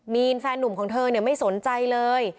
มีนแฟนหนุ่มของเธอไม่สนใจเลย